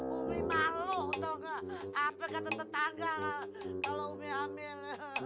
umi malu tau gak apa kata tetangga kalau umi hamil